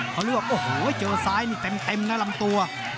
ซ้ายใช้เต็มนะลำตั๋ว